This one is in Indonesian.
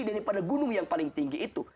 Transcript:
daripada gunung yang paling tinggi itu